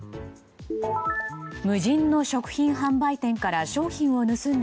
無人の食品販売店から商品を盗んだ